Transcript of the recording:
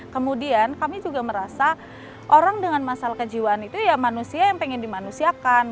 kemudian kami juga merasa orang dengan masalah kejiwaan itu ya manusia yang pengen dimanusiakan